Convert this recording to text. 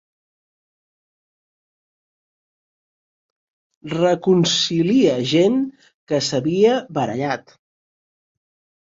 Reconcilia gent que s'havia barallat.